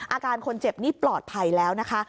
อาการคนเจ็บนี่ปลอดภัยแล้วนะคะ